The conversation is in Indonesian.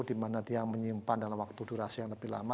di mana dia menyimpan dalam waktu durasi yang lebih lama